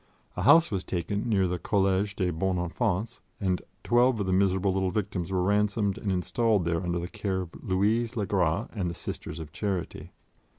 A house was taken near the Collège des Bons Enfants, and twelve of the miserable little victims were ransomed and installed there under the care of Louise le Gras and the Sisters of Charity.